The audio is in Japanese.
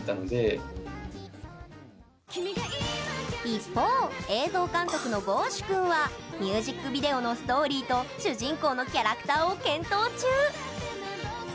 一方映像監督のｇｏ‐ｓｈｕ君はミュージックビデオのストーリーと主人公のキャラクターを検討中。